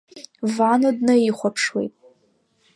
Вано днаихәаԥшуеит.